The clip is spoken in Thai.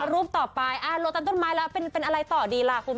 รูปต่อไปโลตันต้นไม้แล้วเป็นอะไรต่อดีล่ะคุณผู้ชม